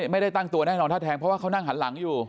ไม่ได้ตั้งตัวแน่นอนถ้าแทงเพราะว่าเขานั่งหันหลังอยู่